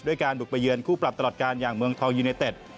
การบุกไปเยือนคู่ปรับตลอดการอย่างเมืองทองยูเนเต็ด